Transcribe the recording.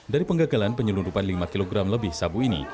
dari penggagalan penyelundupan lima kg lebih sabu ini